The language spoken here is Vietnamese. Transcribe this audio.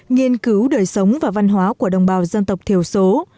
nghiên cứu đời sống và văn hóa của đồng bào dân tộc thiểu số